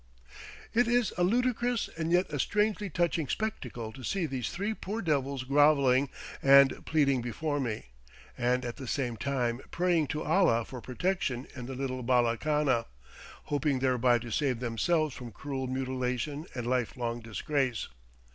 It is a ludicrous and yet a strangely touching spectacle to see these three poor devils grovelling and pleading before me, and at the same time praying to Allah for protection in the little bala khana, hoping thereby to save themselves from cruel mutilation and lifelong disgrace.